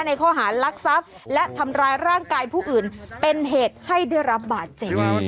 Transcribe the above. ในข้อหารลักทรัพย์และทำร้ายร่างกายผู้อื่นเป็นเหตุให้ได้รับบาดเจ็บ